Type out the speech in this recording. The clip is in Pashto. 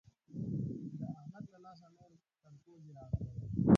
د احمد له لاسه نور تر پوزې راغلی يم.